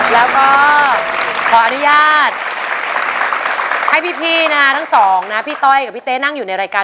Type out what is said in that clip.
แล้วก็ขออนุญาตให้พี่นะฮะทั้งสองนะพี่ต้อยกับพี่เต๊นั่งอยู่ในรายการ